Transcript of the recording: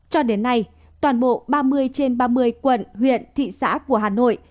cho đến nay toàn bộ ba mươi trên ba mươi quận huyện thị xã của hà nội